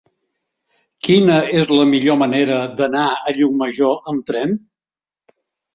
Quina és la millor manera d'anar a Llucmajor amb tren?